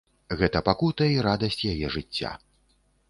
Гэта пакута й радасць яе жыцця.